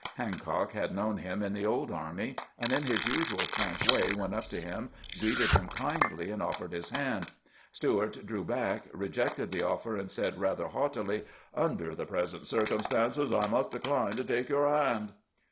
Hancock had known him in the old army, and in his usual frank way went up to him, greeted him kindly, and offered his hand. Steuart drew back, re jected the offer, and said rather haughtily, " Under the present circumstances, I must decline to take your hand."